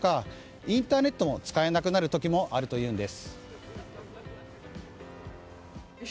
インターネットも使えなくなる時もあるというんです。